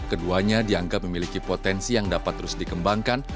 keduanya dianggap memiliki potensi yang dapat terus dikembangkan